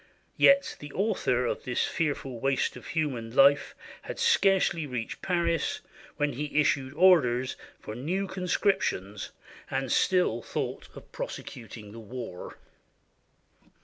Yet the author of this fearful waste of human life had scarcely reached Paris when he issued orders for new conscriptions, and still thought of prosecuting the war!